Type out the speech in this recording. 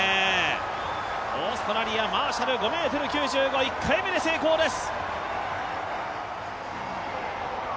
オーストラリア、マーシャル５ｍ９５、１回目で成功です。